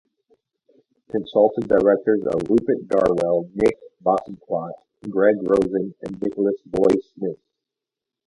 Consultant directors are Rupert Darwell, Nick Bosanquet, Greg Rosen and Nicholas Boys Smith.